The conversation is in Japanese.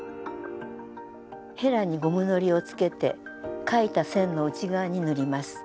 へらにゴムのりをつけて書いた線の内側に塗ります。